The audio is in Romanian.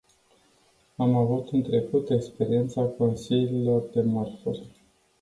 Am avut în trecut experiența consiliilor de mărfuri.